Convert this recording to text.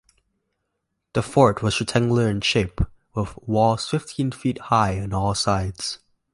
The fort was rectangular in shape, with walls fifteen feet high on all sides.